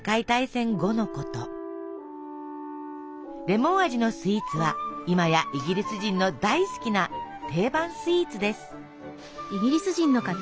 レモン味のスイーツは今やイギリス人の大好きな定番スイーツです。